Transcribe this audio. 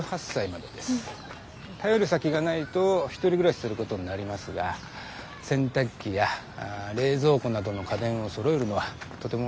頼る先がないと１人暮らしすることになりますが洗濯機や冷蔵庫などの家電をそろえるのはとても大変なんです。